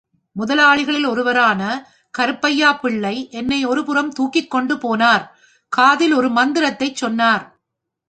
முதலாளிகளில் ஒருவரான கருப்பையாப்பிள்ளை என்னை ஒருபுறமாகத் துாக்கிக் கொண்டு போனார், காதில் ஒரு மந்திரத்தைச் சொன்னார்.